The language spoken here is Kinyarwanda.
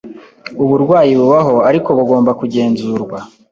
uburwayi bubaho ariko bugomba kugenzurwa